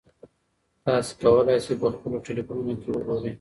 تاسي کولای شئ په خپلو ټیلیفونونو کې وګورئ.